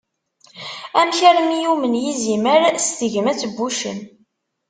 Amek armi yumen yizimer s tegmat n wuccen?